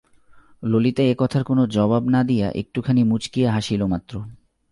ললিতা এ কথার কোনো জবাব না দিয়া একটুখানি মুচকিয়া হাসিল মাত্র।